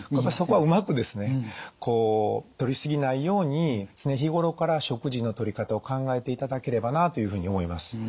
そこはうまくですねこうとりすぎないように常日頃から食事のとり方を考えていただければなというふうに思います。